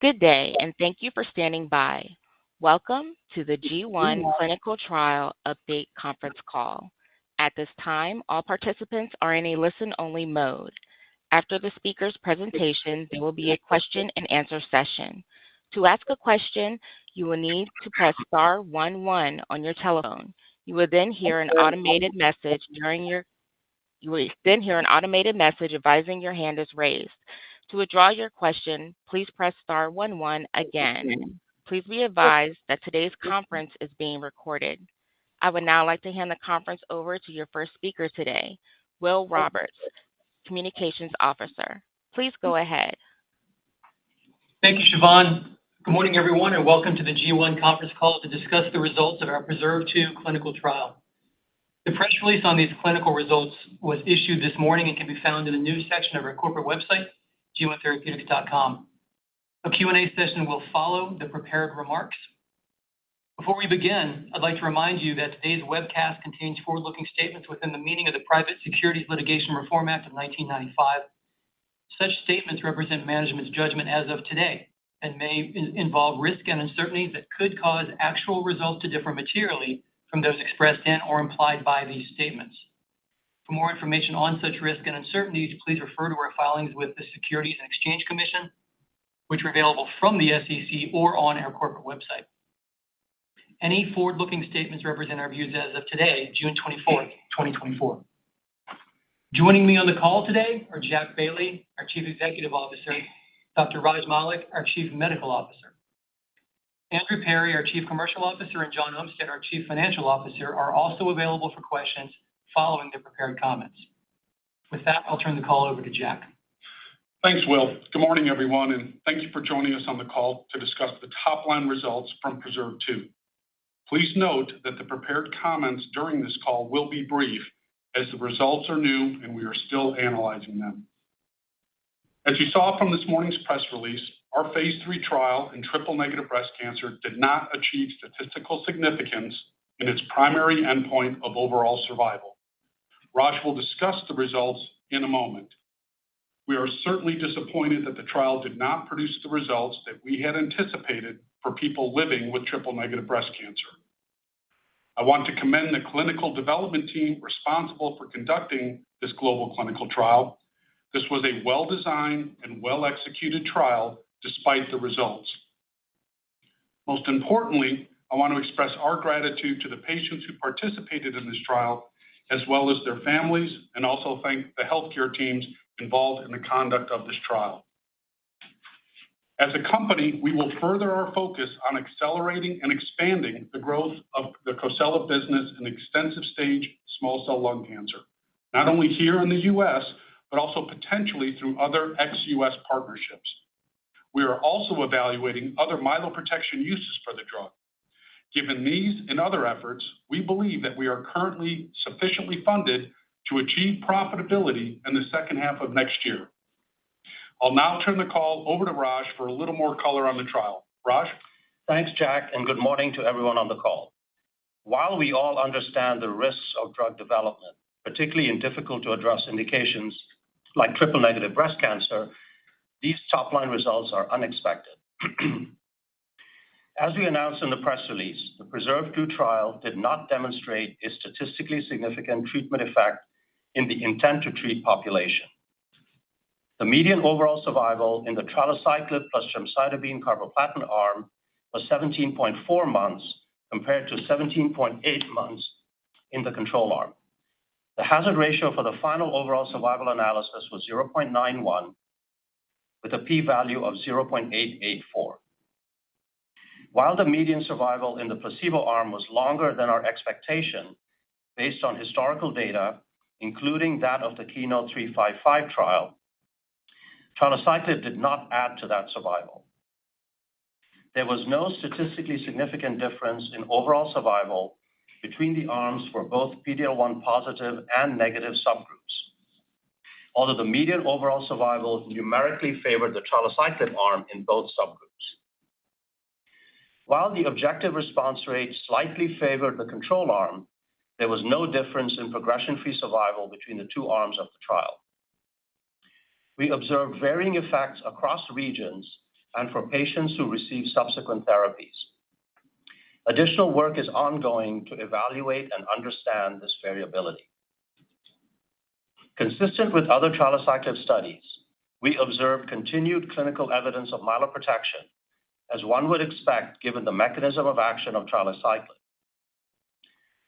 Good day, and thank you for standing by. Welcome to the G1 Clinical Trial Update conference call. At this time, all participants are in a listen-only mode. After the speaker's presentation, there will be a question-and-answer session. To ask a question, you will need to press star one one on your telephone. You will then hear an automated message advising your hand is raised. To withdraw your question, please press star one one again. Please be advised that today's conference is being recorded. I would now like to hand the conference over to your first speaker today, Will Roberts, Communications Officer. Please go ahead. Thank you, [Siobhan]. Good morning, everyone, and welcome to the G1 conference call to discuss the results of our PRESERVE 2 clinical trial. The press release on these clinical results was issued this morning and can be found in the news section of our corporate website, g1therapeutics.com. A Q&A session will follow the prepared remarks. Before we begin, I'd like to remind you that today's webcast contains forward-looking statements within the meaning of the Private Securities Litigation Reform Act of 1995. Such statements represent management's judgment as of today and may involve risk and uncertainties that could cause actual results to differ materially from those expressed in or implied by these statements. For more information on such risk and uncertainties, please refer to our filings with the Securities and Exchange Commission, which are available from the SEC or on our corporate website. Any forward-looking statements represent our views as of today, June 24, 2024. Joining me on the call today are Jack Bailey, our Chief Executive Officer, Dr. Raj Malik, our Chief Medical Officer. Andrew Perry, our Chief Commercial Officer, and John Umstead, our Chief Financial Officer, are also available for questions following the prepared comments. With that, I'll turn the call over to Jack. Thanks, Will. Good morning, everyone, and thank you for joining us on the call to discuss the top-line results from PRESERVE 2. Please note that the prepared comments during this call will be brief, as the results are new and we are still analyzing them. As you saw from this morning's press release, our phase III trial in triple-negative breast cancer did not achieve statistical significance in its primary endpoint of overall survival. Raj will discuss the results in a moment. We are certainly disappointed that the trial did not produce the results that we had anticipated for people living with triple-negative breast cancer. I want to commend the clinical development team responsible for conducting this global clinical trial. This was a well-designed and well-executed trial, despite the results. Most importantly, I want to express our gratitude to the patients who participated in this trial, as well as their families, and also thank the healthcare teams involved in the conduct of this trial. As a company, we will further our focus on accelerating and expanding the growth of the Cosela business in extensive stage small cell lung cancer, not only here in the U.S., but also potentially through other ex-U.S. partnerships. We are also evaluating other myeloprotection uses for the drug. Given these and other efforts, we believe that we are currently sufficiently funded to achieve profitability in the second half of next year. I'll now turn the call over to Raj for a little more color on the trial. Raj? Thanks, Jack, and good morning to everyone on the call. While we all understand the risks of drug development, particularly in difficult-to-address indications like triple-negative breast cancer, these top-line results are unexpected. As we announced in the press release, the PRESERVE 2 trial did not demonstrate a statistically significant treatment effect in the intent-to-treat population. The median overall survival in the trilaciclib plus gemcitabine carboplatin arm was 17.4 months, compared to 17.8 months in the control arm. The hazard ratio for the final overall survival analysis was 0.91, with a P value of 0.884. While the median survival in the placebo arm was longer than our expectation based on historical data, including that of the KEYNOTE-355 trial, trilaciclib did not add to that survival. There was no statistically significant difference in overall survival between the arms for both PD-L1 positive and negative subgroups, although the median overall survival numerically favored the trilaciclib arm in both subgroups. While the objective response rate slightly favored the control arm, there was no difference in progression-free survival between the two arms of the trial. We observed varying effects across regions and for patients who received subsequent therapies. Additional work is ongoing to evaluate and understand this variability. Consistent with other trilaciclib studies, we observed continued clinical evidence of myeloprotection, as one would expect, given the mechanism of action of trilaciclib.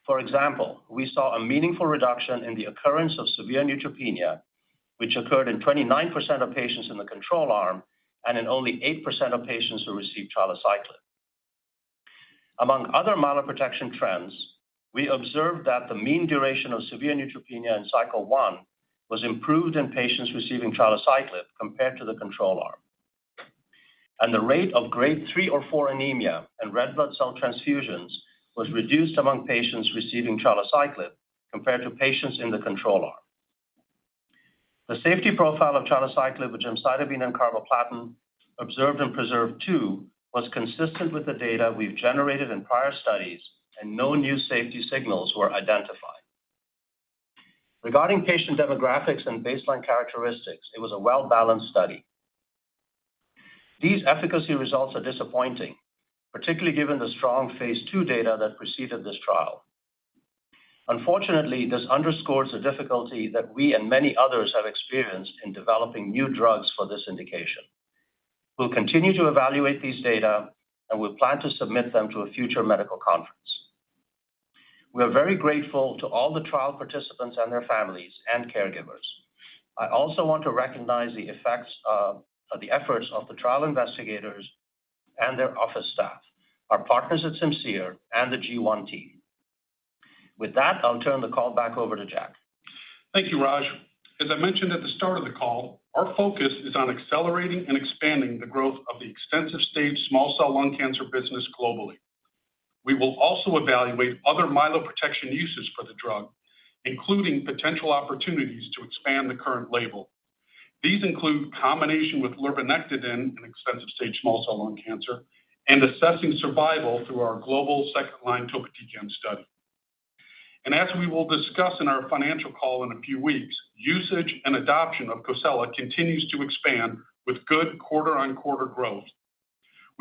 For example, we saw a meaningful reduction in the occurrence of severe neutropenia, which occurred in 29% of patients in the control arm and in only 8% of patients who received trilaciclib. Among other myeloprotection trends, we observed that the mean duration of severe neutropenia in cycle one was improved in patients receiving trilaciclib compared to the control arm. And the rate of grade three or four anemia and red blood cell transfusions was reduced among patients receiving trilaciclib compared to patients in the control arm. The safety profile of trilaciclib with gemcitabine and carboplatin observed in PRESERVE 2 was consistent with the data we've generated in prior studies, and no new safety signals were identified. Regarding patient demographics and baseline characteristics, it was a well-balanced study. These efficacy results are disappointing, particularly given the strong phase II data that preceded this trial. Unfortunately, this underscores the difficulty that we and many others have experienced in developing new drugs for this indication. We'll continue to evaluate these data, and we plan to submit them to a future medical conference. We are very grateful to all the trial participants and their families and caregivers. I also want to recognize the efforts of the trial investigators and their office staff, our partners at Simcere and the G1 team. With that, I'll turn the call back over to Jack. Thank you, Raj. As I mentioned at the start of the call, our focus is on accelerating and expanding the growth of the extensive-stage small cell lung cancer business globally. We will also evaluate other myeloprotection uses for the drug, including potential opportunities to expand the current label. These include combination with lurbinectedin in extensive-stage small cell lung cancer, and assessing survival through our global second-line topotecan study. And as we will discuss in our financial call in a few weeks, usage and adoption of Cosela continues to expand with good quarter-on-quarter growth.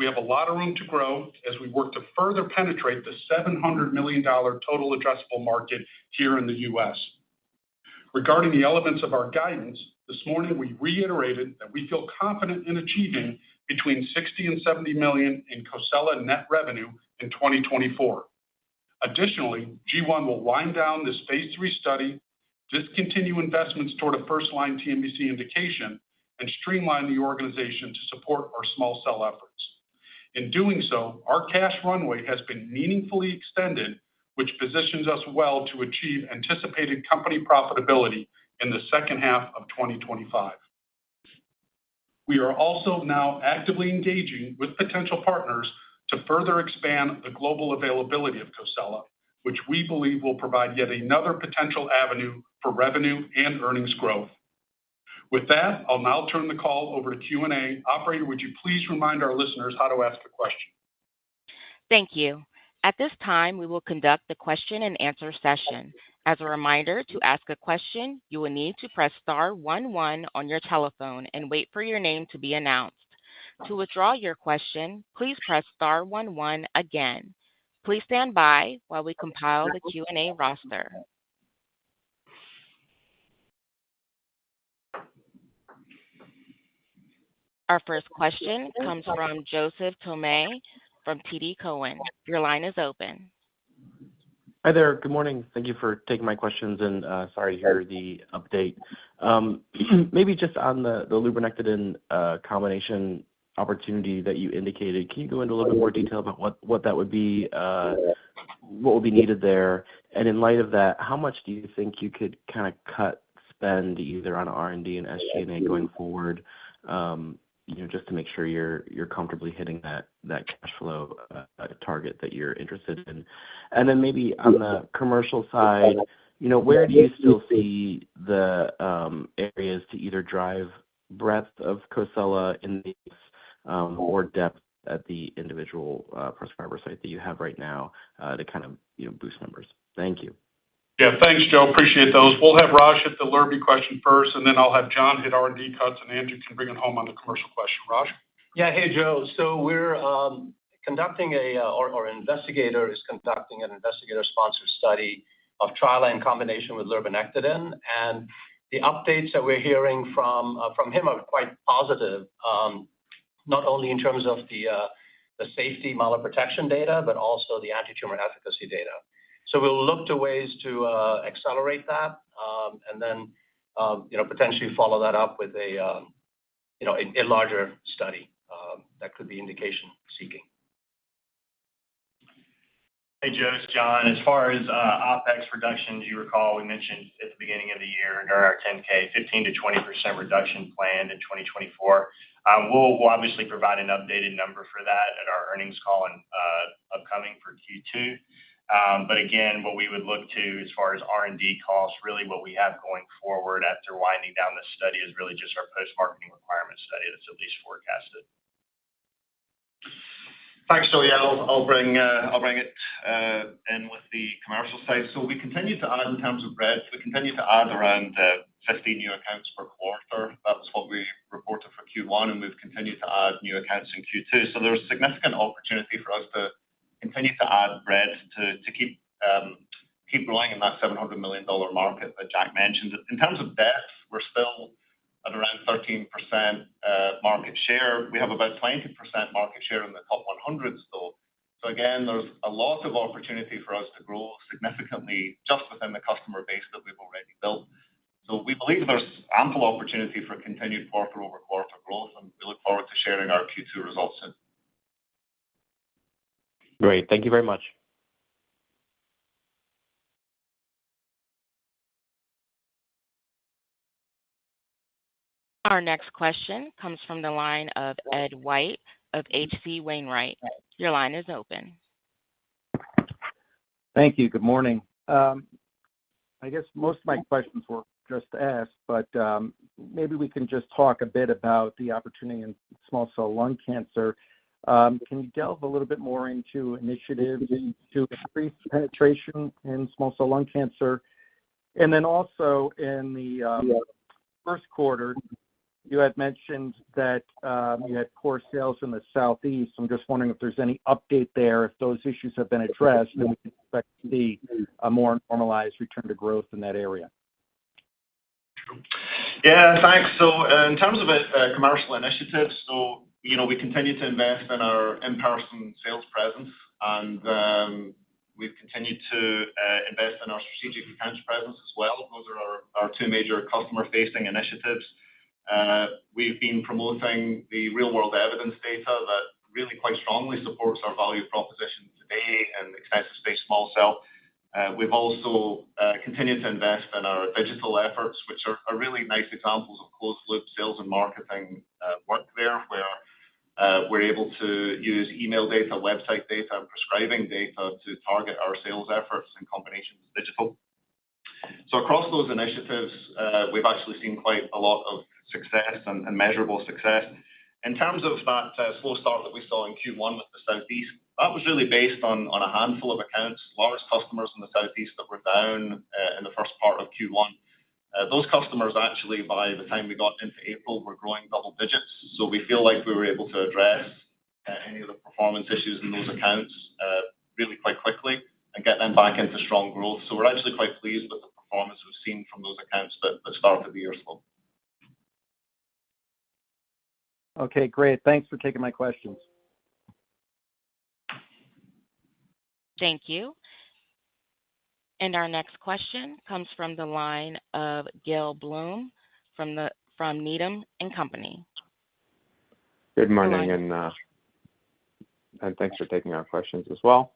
We have a lot of room to grow as we work to further penetrate the $700 million total addressable market here in the U.S. Regarding the elements of our guidance, this morning, we reiterated that we feel confident in achieving between $60 million and $70 million in Cosela net revenue in 2024. Additionally, G1 will wind down this phase III study, discontinue investments toward a first-line TNBC indication, and streamline the organization to support our small cell efforts. In doing so, our cash runway has been meaningfully extended, which positions us well to achieve anticipated company profitability in the second half of 2025. We are also now actively engaging with potential partners to further expand the global availability of Cosela, which we believe will provide yet another potential avenue for revenue and earnings growth. With that, I'll now turn the call over to Q&A. Operator, would you please remind our listeners how to ask a question? Thank you. At this time, we will conduct the question-and-answer session. As a reminder, to ask a question, you will need to press star one, one on your telephone and wait for your name to be announced. To withdraw your question, please press star one, one again. Please stand by while we compile the Q&A roster. Our first question comes from Joseph Thome from TD Cowen. Your line is open. Hi there. Good morning. Thank you for taking my questions and, sorry to hear the update. Maybe just on the, the lurbinectedin, combination opportunity that you indicated, can you go into a little more detail about what, what that would be, what will be needed there? And in light of that, how much do you think you could kind of cut spend either on R&D and SG&A going forward, you know, just to make sure you're, you're comfortably hitting that, that cash flow, target that you're interested in? And then maybe on the commercial side, you know, where do you still see the, areas to either drive breadth of Cosela in these, or depth at the individual, prescriber site that you have right now, to kind of, you know, boost numbers? Thank you. Yeah, thanks, Joe. Appreciate those. We'll have Raj hit the lerociclib question first, and then I'll have John hit R&D cuts, and Andrew can bring it home on the commercial question. Raj? Yeah. Hey, Joe. So we're conducting, or our investigator is conducting an investigator-sponsored study of trilaciclib in combination with lurbinectedin, and the updates that we're hearing from him are quite positive, not only in terms of the safety myeloprotection data, but also the antitumor efficacy data. So we'll look to ways to accelerate that, and then, you know, potentially follow that up with a, you know, a larger study that could be indication seeking. Hey, Joe, it's John. As far as OpEx reduction, do you recall we mentioned at the beginning of the year during our 10-K, 15%-20% reduction planned in 2024? We'll obviously provide an updated number for that at our earnings call and upcoming for Q2. But again, what we would look to as far as R&D costs, really what we have going forward after winding down this study is really just our post-marketing requirement study that's at least forecasted. Thanks, Joe. Yeah, I'll bring it in with the commercial side. So we continue to add in terms of breadth. We continue to add around 15 new accounts per quarter. That was what we reported for Q1, and we've continued to add new accounts in Q2. So there's significant opportunity for us to continue to add breadth, to keep growing in that $700 million market that Jack mentioned. In terms of depth, we're still at around 13% market share. We have about 20% market share in the top 100 stores. So again, there's a lot of opportunity for us to grow significantly just within the customer base that we've already built. So we believe there's ample opportunity for continued quarter-over-quarter growth, and we look forward to sharing our Q2 results soon. Great. Thank you very much. Our next question comes from the line of Ed White of HC Wainwright. Your line is open. Thank you. Good morning. I guess most of my questions were just asked, but maybe we can just talk a bit about the opportunity in small cell lung cancer. Can you delve a little bit more into initiatives to increase penetration in small cell lung cancer? And then also in the first quarter, you had mentioned that you had poor sales in the Southeast. I'm just wondering if there's any update there, if those issues have been addressed, and we can expect to see a more normalized return to growth in that area? Yeah, thanks. So in terms of commercial initiatives, so, you know, we continue to invest in our in-person sales presence, and, we've continued to invest in our strategic accounts presence as well. Those are our two major customer-facing initiatives. We've been promoting the real-world evidence data that really quite strongly supports our value proposition today in the extensive-stage small cell. We've also continued to invest in our digital efforts, which are really nice examples of closed-loop sales and marketing work there, where we're able to use email data, website data, and prescribing data to target our sales efforts in combination with digital. So across those initiatives, we've actually seen quite a lot of success and measurable success. In terms of that, slow start that we saw in Q1 with the Southeast, that was really based on, on a handful of accounts, large customers in the Southeast that were down, in the first part of Q1. Those customers actually, by the time we got into April, were growing double digits, so we feel like we were able to address, any of the performance issues in those accounts, really quite quickly and get them back into strong growth. So we're actually quite pleased with the performance we've seen from those accounts that, that started the year slow. Okay, great. Thanks for taking my questions. Thank you. And our next question comes from the line of Gil Blum from Needham & Company. Good morning, and, and thanks for taking our questions as well.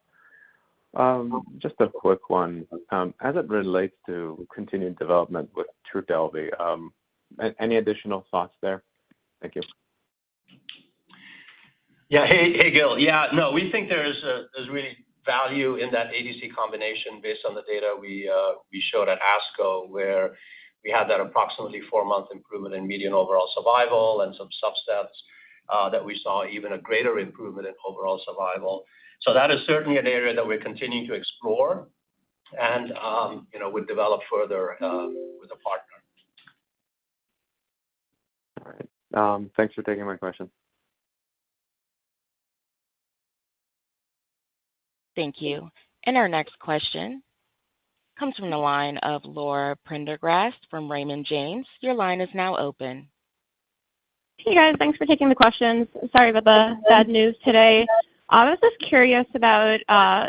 Just a quick one. As it relates to continued development with Trodelvy, any additional thoughts there? Thank you. Yeah. Hey, hey, Gil. Yeah, no, we think there's there's really value in that ADC combination based on the data we, we showed at ASCO, where we had that approximately four month improvement in median overall survival and some subsets, that we saw even a greater improvement in overall survival. So that is certainly an area that we're continuing to explore and, you know, would develop further, with a partner. All right. Thanks for taking my question. Thank you. And our next question comes from the line of Laura Prendergast from Raymond James. Your line is now open. Hey, guys. Thanks for taking the questions. Sorry about the bad news today. I was just curious about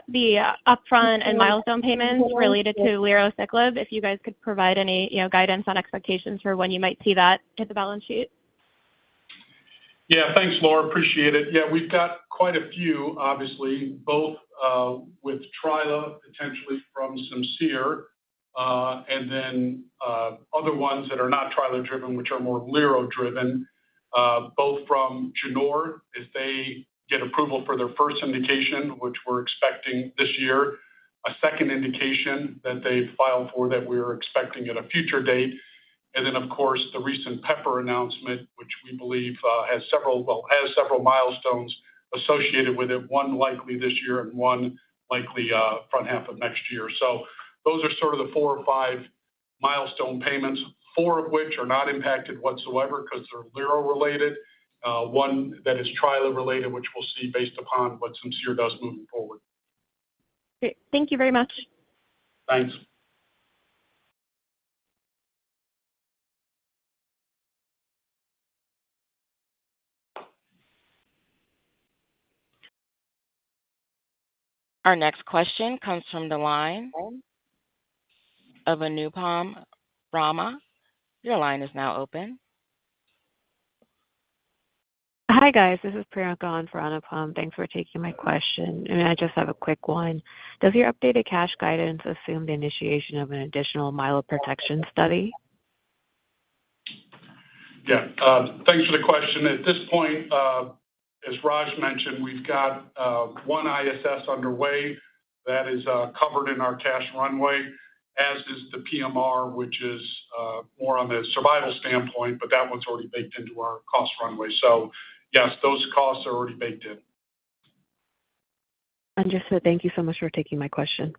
the upfront and milestone payments related to Lerociclib, if you guys could provide any, you know, guidance on expectations for when you might see that hit the balance sheet. Yeah. Thanks, Laura. Appreciate it. Yeah, we've got quite a few, obviously, both with trilaciclib, potentially from some Simcere, and then other ones that are not trilaciclib-driven, which are more lerociclib-driven, both from Genor, if they get approval for their first indication, which we're expecting this year, a second indication that they've filed for that we're expecting at a future date. And then, of course, the recent partner announcement, which we believe has several, well, has several milestones associated with it, one likely this year and one likely front half of next year. So those are sort of the four or five milestone payments, four of which are not impacted whatsoever because they're lerociclib-related, one that is trilaciclib-related, which we'll see based upon what Simcere does moving forward. Great. Thank you very much. Thanks. Our next question comes from the line of Anupam Rama. Your line is now open. Hi, guys. This is Priyanka on for Anupam. Thanks for taking my question, and I just have a quick one. Does your updated cash guidance assume the initiation of an additional myeloprotection study? Yeah. Thanks for the question. At this point, as Raj mentioned, we've got one ISS underway that is covered in our cash runway, as is the PMR, which is more on the survival standpoint, but that one's already baked into our cost runway. So yes, those costs are already baked in. Just so, thank you so much for taking my question.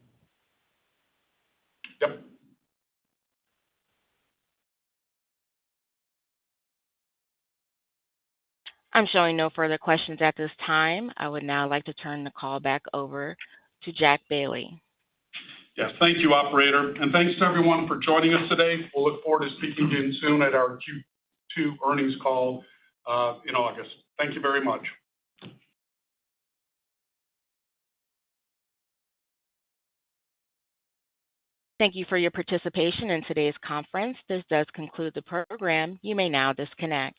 Yep. I'm showing no further questions at this time. I would now like to turn the call back over to Jack Bailey. Yes. Thank you, operator, and thanks to everyone for joining us today. We'll look forward to speaking again soon at our Q2 earnings call in August. Thank you very much. Thank you for your participation in today's conference. This does conclude the program. You may now disconnect.